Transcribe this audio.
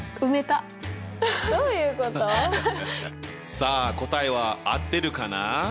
さあ答えは合ってるかな？